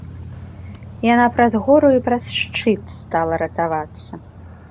Яна праз гору і праз шчыт стала ратавацца.